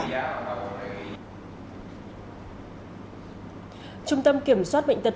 trung tâm kiểm soát bệnh tật